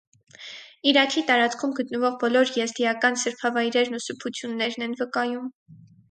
Իրաքի տարածքում գտնվող բոլոր եզդիական սրբավայրերն ու սրբություններեն են վկայում։